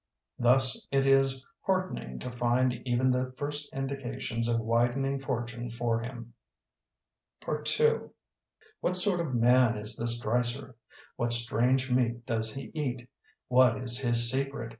Thus it is heartening to find even the first indications of widening fortune for him. II What sort of man is this Dreiser? What strange meat does he eat? What is his secret?